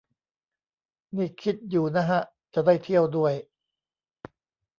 นี่คิดอยู่นะฮะ จะได้เที่ยวด้วย